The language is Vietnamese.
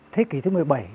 thế kỷ thứ một mươi bảy